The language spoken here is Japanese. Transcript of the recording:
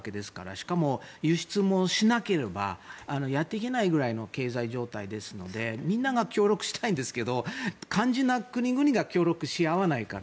しかも、輸出をしなければやっていけないくらいの経済状態ですのでみんなが協力したいんですけど肝心な国々が協力し合わないから。